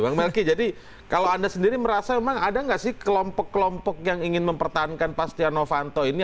bang melki jadi kalau anda sendiri merasa memang ada nggak sih kelompok kelompok yang ingin mempertahankan pak setia novanto ini